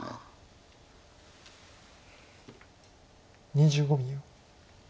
２５秒。